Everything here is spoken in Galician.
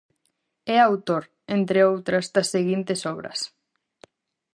É autor, entre outras, das seguintes obras.